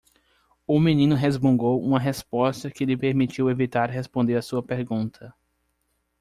O menino resmungou uma resposta que lhe permitiu evitar responder a sua pergunta.